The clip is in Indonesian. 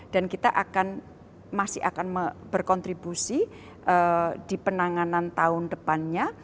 dan kita akan masih akan berkontribusi di penanganan tahun depannya